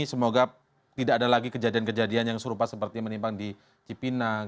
semoga tidak ada lagi kejadian kejadian yang serupa seperti menimpang di cipinang